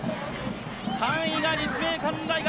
３位が立命館大学。